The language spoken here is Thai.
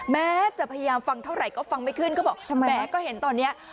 แม้จะพยายามฟังเท่าไหร่ก็ฟังไม่ขึ้นก็บอกทำไมแม้ก็เห็นตอนนี้